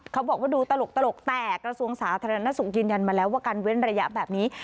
เขาบอกว่าดูตลกแต่กระทรวงสาธารณสุขยืนยันมาแล้วว่าการเว้นระยะแบบนี้